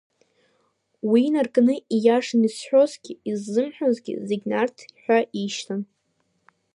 Уи инаркны ииашан изҳәозгьы, иззымҳәозгьы зегь Нарҭ ҳәа ишьҭан.